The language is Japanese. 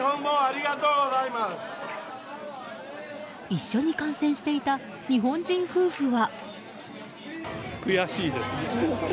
一緒に観戦していた日本人夫婦は。